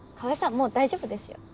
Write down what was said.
もう大丈夫ですよ。